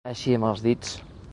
Així amb els dits...